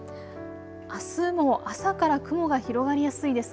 あすも朝から雲が広がりやすいです。